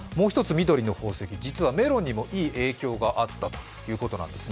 緑の宝石、実はメロンにもいい影響があったということです。